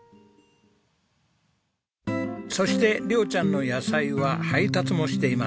そして亮ちゃんの野菜は配達もしています。